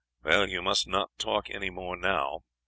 "Well, you must not talk any more now.